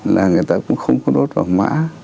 là người ta cũng không có đốt vàng mã